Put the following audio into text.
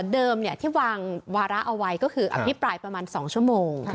เดิมที่วางวาระเอาไว้ก็คืออภิปรายประมาณ๒ชั่วโมง